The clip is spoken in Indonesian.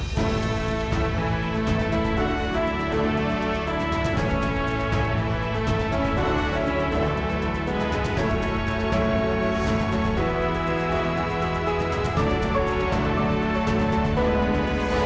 kisah triwi diaswari